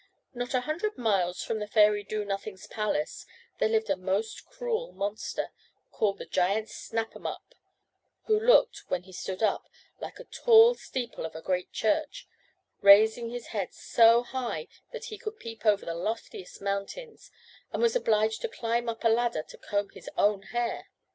Not a hundred miles from the fairy Do nothing's palace there lived a most cruel monster called the giant Snap 'em up, who looked, when he stood up, like the tall steeple of a great church, raising his head so high that he could peep over the loftiest mountains, and was obliged to climb up a ladder to comb his own hair.